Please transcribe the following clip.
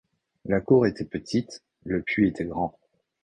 La cour était petite, le puits était grand.